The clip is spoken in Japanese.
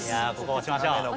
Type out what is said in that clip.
押しましょう！